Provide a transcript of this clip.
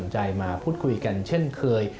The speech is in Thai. ใจมาพูดคุยกันเช่นเคย